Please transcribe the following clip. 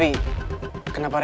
tidak ada apa apa